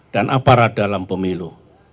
dan aparat dalam pemilu